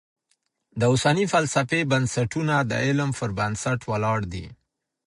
د اوسنۍ فلسفې بنسټونه د علم پر بنسټ ولاړ دي.